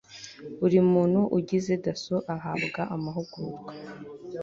buri muntu ugize dasso ahabwa amahugurwa